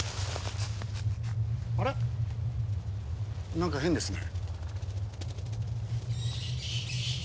なんか変ですね。